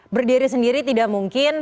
berdiri sendiri tidak mungkin